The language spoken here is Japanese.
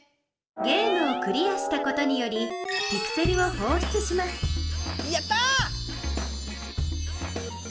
ゲームをクリアしたことによりピクセルをほうしゅつしますやった！